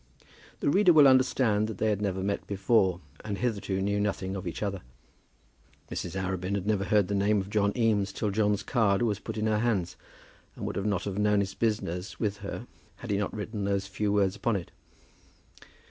The reader will understand that they had never met before, and hitherto knew nothing of each other. Mrs. Arabin had never heard the name of John Eames till John's card was put into her hands, and would not have known his business with her had he not written those few words upon it.